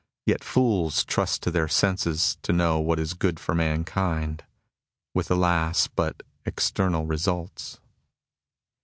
Yet fools trust to their senses to know what is good for mankind, with alas ! but external results.